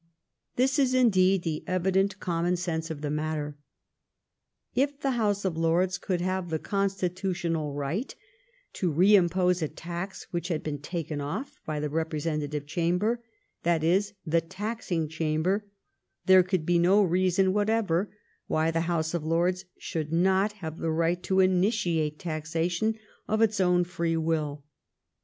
This is, indeed, the evident common sense of the matter. If the House of Lords could have the constitu tional right to reimpose a tax which had been taken off by the Representative Chamber — that is, the taxing Chamber — there could be no reason whatever why the House of Lords should not have the right to initiate taxation of its own free will.